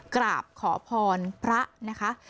กราบขอพรพระนะคะ